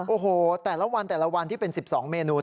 โอ้โหแต่ละวันที่เป็น๑๒เมนู